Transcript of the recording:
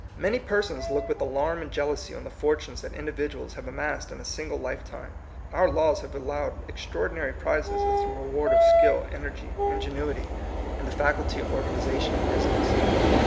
Many persons look with alarm and jeal ousy on the fortunes that individuals have amassed in a single lifetime. Our laws have allowed extraordinary prizes as the reward of skill, energy, ingenuity, and the y 182 THE COMING PEOPLE. faculty of organization in business.